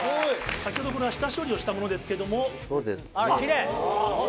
先ほどこれは下処理をしたものですけども。